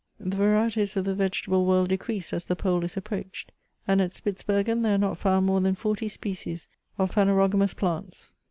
The varieties of the vegetable world decrease as the pole is approached ; and at Spitzbergen there are not found more than forty species of phanerogamous plants.